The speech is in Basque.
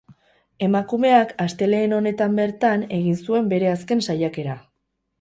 Emakumeak astelehen honetan bertan egin zuen bere azken saiakera.